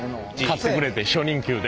買ってくれてん初任給で。